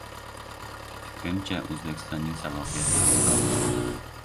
Fikrimcha, Oʻzbekistonning salohiyati koʻproq.